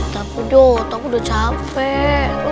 takut dong aku udah capek